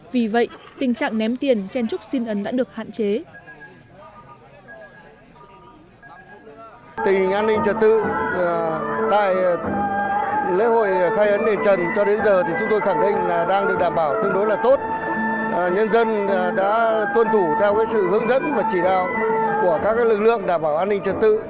vì vậy tình trạng ném tiền chen trúc xin ấn đã được hạn chế